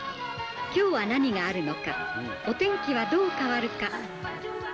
きょうは何があるのか、お天気はどう変わるか。